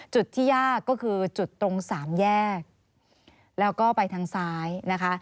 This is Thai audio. จุดที่ยากก็คือจุดตรงสามแยกแล้วก็ไปทางซ้ายนะคะ